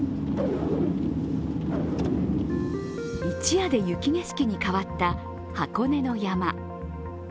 一夜で雪景色に変わった箱根の山。